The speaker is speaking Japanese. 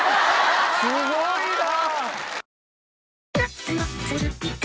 すごいな！